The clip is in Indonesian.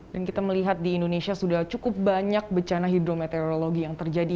dan kita melihat di indonesia sudah cukup banyak bencana hidrometeorologi yang terjadi